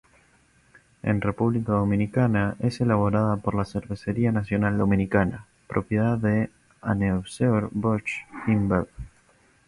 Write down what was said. En República Dominicana es elaborada por la Cervecería Nacional Dominicana, propiedad de Anheuser-Busch InBev.